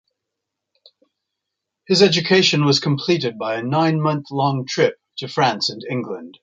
His education was completed by a nine-month-long trip to France and England.